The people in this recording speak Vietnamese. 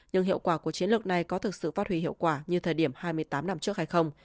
nhưng hiệu quả của chiến lược này có thực sự phát huy hiệu quả như thời điểm hai mươi tám năm trước hay không